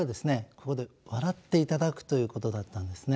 ここで笑っていただくということだったんですね。